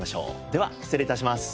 では失礼致します。